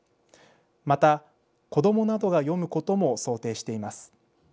また、子どもなどが読むことも想定しています。